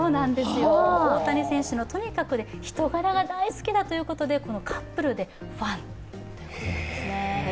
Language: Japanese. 大谷選手の人柄がとにかく大好きということでカップルでファンということなんですね。